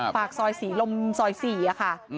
ฝากสอยสีลมสอยสี่ค่ะ